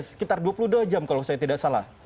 sekitar dua puluh dua jam kalau saya tidak salah